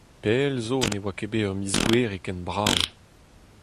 Pell zo ne oa ket bet ur miz Gouere ken brav.